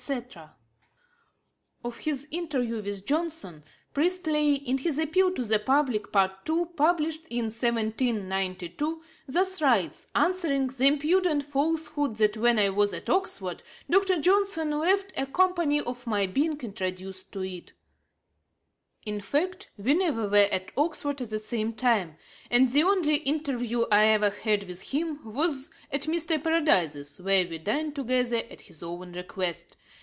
Priestley's Works, iii. 508. Of his interview with Johnson, Priestley, in his Appeal to the Public, part ii, published in 1792 (Works, xix. 502), thus writes, answering 'the impudent falsehood that when I was at Oxford Dr. Johnson left a company on my being introduced to it': 'In fact we never were at Oxford at the same time, and the only interview I ever had with him was at Mr. Paradise's, where we dined together at his own request.